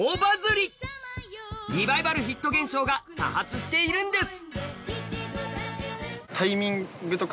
リバイバルヒット現象が多発しているんです。